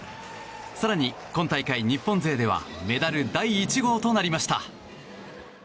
更に、日本勢では今大会メダル第１号となりました！